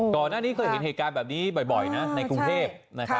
ก่อนหน้านี้เคยเห็นเหตุการณ์แบบนี้บ่อยนะในกรุงเทพนะครับ